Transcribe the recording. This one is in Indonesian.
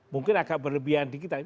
mungkin agak berlebihan di kita